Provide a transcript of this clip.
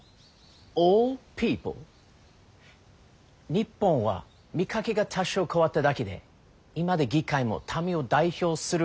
日本は見かけが多少変わっただけでいまだ議会も民を代表する集まりすらない。